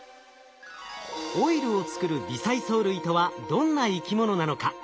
オイルを作る微細藻類とはどんな生き物なのか？